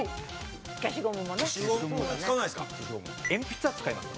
鉛筆は使いますか？